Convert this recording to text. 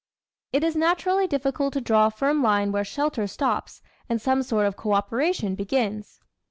It is naturally difficult to draw a firm line where shelter stops and some sort of co operation begins.